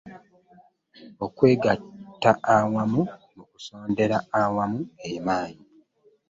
Okwegatta awamu mu kusondera awamu ge maanyi.